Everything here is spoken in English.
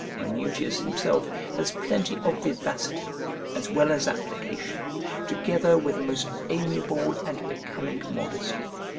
Minutius himself has plenty of vivacity, as well as application, together with a most amiable and becoming modesty.